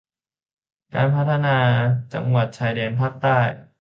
การพัฒนาจังหวัดชายแดนภาคใต้